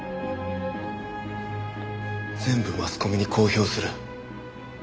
全部マスコミに公表する。